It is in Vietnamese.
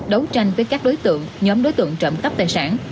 đấu tranh với các đối tượng nhóm đối tượng trộm cắp tài sản